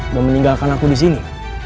memeninggalkan aku di sini